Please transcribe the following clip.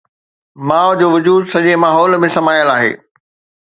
ماءُ جو وجود سڄي ماحول ۾ سمايل آهي.